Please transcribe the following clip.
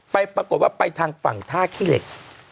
ปรากฏว่าไปทางฝั่งท่าขี้เหล็ก